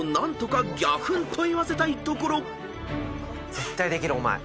絶対できるお前。